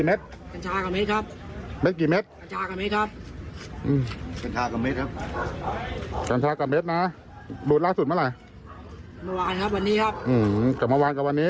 เมื่อวานครับวันนี้ครับกลับมาวางกับวันนี้